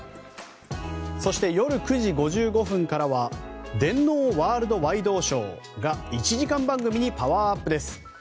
そして夜９時５５分からは「電脳ワールドワイ動ショー」が１時間番組にパワーアップです。